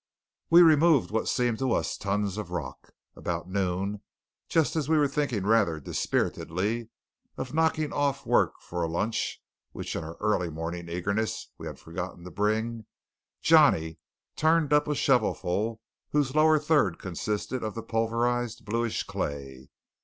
We removed what seemed to us tons of rock. About noon, just as we were thinking rather dispiritedly of knocking off work for a lunch which in our early morning eagerness we had forgotten to bring Johnny turned up a shovelful whose lower third consisted of the pulverized bluish clay.